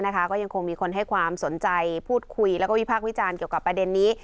ก็ยังคงมีคนให้ความสนใจพูดคุยแล้วก็วิพากษ์วิจารณ์เกี่ยวกับประเด็นนี้